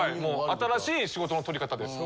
新しい仕事の取り方です。